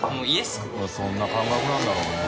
そんな感覚なんだろうね。